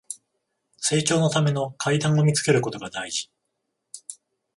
成長のための階段を見つけることが大事